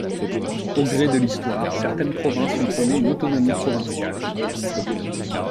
Au gré de l'histoire, certaines provinces ont prôné une autonomie provinciale.